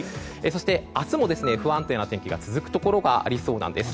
そして、明日も不安定な天気が続くところがありそうなんです。